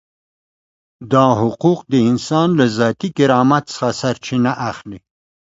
دا حقوق د انسان له ذاتي کرامت څخه سرچینه اخلي.